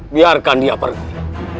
biarkan dia pergi